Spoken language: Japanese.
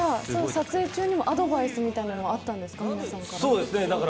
撮影中にもアドバイスみたいなのはあったんですか？